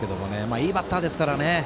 いいバッターですからね。